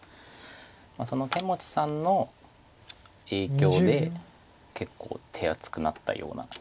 その釼持さんの影響で結構手厚くなったような。